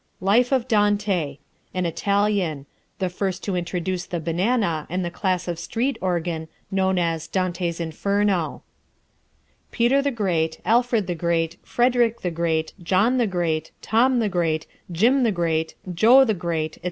Life of Dante: An Italian; the first to introduce the banana and the class of street organ known as "Dante's Inferno." Peter the Great, Alfred the Great, Frederick the Great, John the Great, Tom the Great, Jim the Great, Jo the Great, etc.